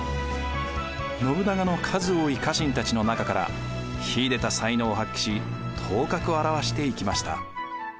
信長の数多い家臣たちの中から秀でた才能を発揮し頭角を現していきました。